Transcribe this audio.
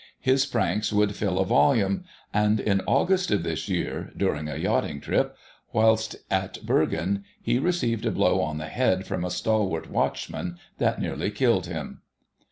His pranks would fill a volume, and in August of this year (during a yachting trip), Punchy vol. I., p. 14. July, 1841. whilst at Bergen, he received a blow on the head from a stalwart watchman that nearly killed him.